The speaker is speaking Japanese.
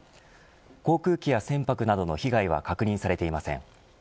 航空機や船舶などの被害は確認されていません